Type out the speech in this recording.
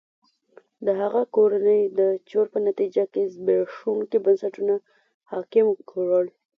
د هغه کورنۍ د چور په نتیجه کې زبېښونکي بنسټونه حاکم کړل.